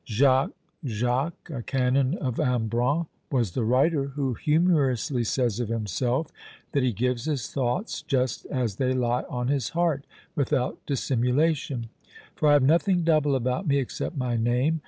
Jacques Jacques, a canon of Ambrun, was the writer, who humorously says of himself that he gives his thoughts just as they lie on his heart, without dissimulation "For I have nothing double about me except my name!